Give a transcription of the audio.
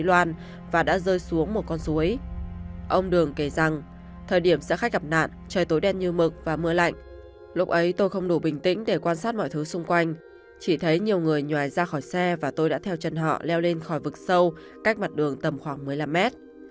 ông đường kể rằng thời điểm xe khách gặp nạn trời tối đen như mực và mưa lạnh lúc ấy tôi không đủ bình tĩnh để quan sát mọi thứ xung quanh chỉ thấy nhiều người nhoài ra khỏi xe và tôi đã theo chân họ leo lên khỏi vực sâu cách mặt đường tầm khoảng một mươi năm mét